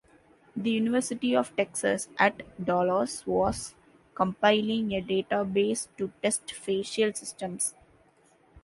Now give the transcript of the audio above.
The University of Texas at Dallas was compiling a database to test facial systems.